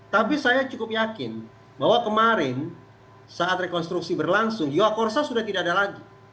tapi saya cukup yakin bahwa kemarin saat rekonstruksi berlangsung yokorsa sudah tidak ada lagi